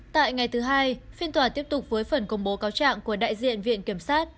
tại ngày thứ hai phiên tòa tiếp tục với phần công bố cáo trạng của đại diện viện kiểm sát